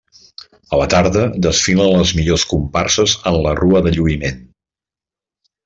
A la tarda, desfilen les millors comparses en la Rua de Lluïment.